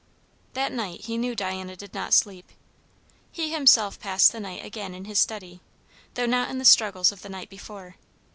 That night he knew Diana did not sleep. He himself passed the night again in his study, though not in the struggles of the night before.